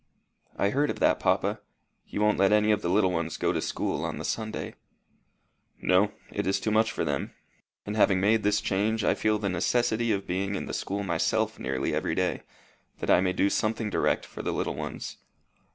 "I heard of that, papa. You won't let any of the little ones go to school on the Sunday." "No. It is too much for them. And having made this change, I feel the necessity of being in the school myself nearly every day, that I may do something direct for the little ones."